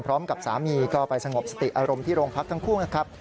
พร้อมกับสามีก็ไปสงบสติอารมณ์ที่โรงพักทั้งคู่นะครับ